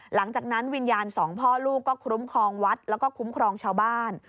หลังจากนั้นวิญญาณสองพ่อลูกก็คุ้มครองวัดแล้วก็คุ้มครองชาวบ้าน